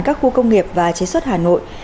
các khu công nghiệp và chế xuất hà nội